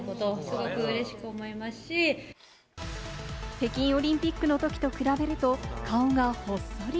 北京オリンピックのときと比べると顔がほっそり。